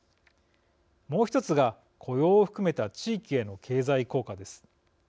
もう１つが、雇用を含めた地域への経済効果です。